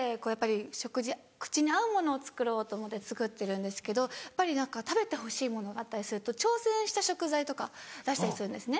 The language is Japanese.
食事口に合うものを作ろうと思って作ってるんですけど食べてほしいものがあったりすると挑戦した食材とか出したりするんですね。